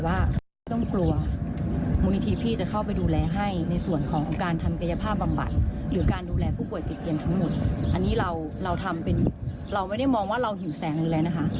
อันนี้เราทำเป็นเราไม่ได้มองว่าเราหิวแสงเลยนะคะ